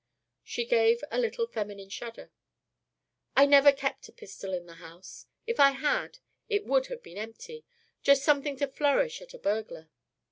She gave a little feminine shudder. "I never kept a pistol in the house. If I had, it would have been empty just something to flourish at a burglar."